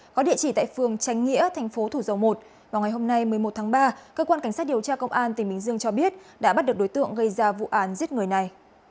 các điều tra công an tỉnh bình dương cho biết đã bắt được đối tượng gây ra vụ án giết người này